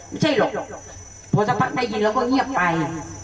ไม่ใช่หลบหรอกพอสักพักได้ยินแล้วก็เงียบไป